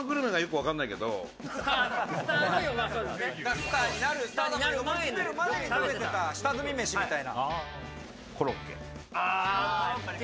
スターになる前に食べてた下積み飯みたいな。